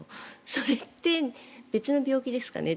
それって別の病気ですかね？